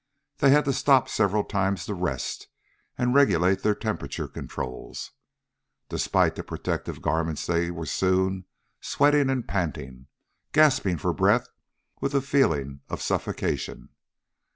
They had to stop several times to rest and regulate their temperature controls. Despite the protective garments they were soon sweating and panting, gasping for breath with the feeling of suffocation.